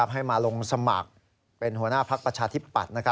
ให้มาลงสมัครเป็นหัวหน้าพักประชาธิปัตย์